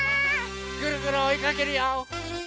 ぐるぐるおいかけるよ！